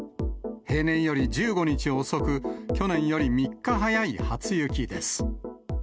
平年より１５日遅く、去年より３日早い初雪です。